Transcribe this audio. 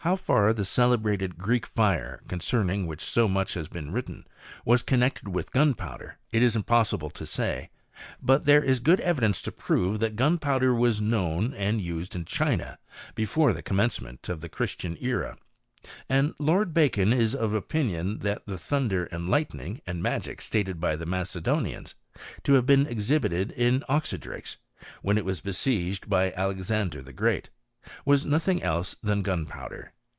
3t Far tlic celebrated Greek fire, concerning which so much has been written, was connected with gunpowder, tt is impossible to say ; but there is good evidence to prove that gunpowder was known and used in China before the commencement of the Christian era ; and Lord Bacon is of opinion that the thunder and light ning and magic stated by the Macedonians to have been exhibited in Oxydrakes, when it was besieged by Alexander the Great, was nothing else than gun* powder.